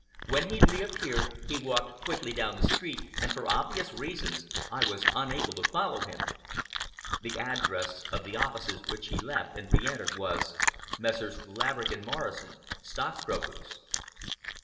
When he reappeared, he walked quickly down the street and for obvious reasons I was unable to follow him. The address of the offices which he left and re entered was Messrs. Laverick & Morrison, Stockbrokers.